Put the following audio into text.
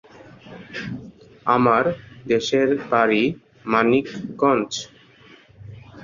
কলেজের সূচনালগ্ন থেকে একটি সমৃদ্ধ লাইব্রেরি রয়েছে; যাতে বিচিত্র বইয়ের সংগ্রহ আছে।